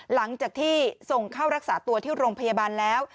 หลังจากที่ส่งเข้ารักษาตัวที่โรงพยาบาลแล้ว